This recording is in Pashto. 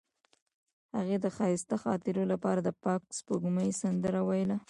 هغې د ښایسته خاطرو لپاره د پاک سپوږمۍ سندره ویله.